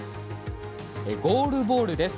ゴールボールです。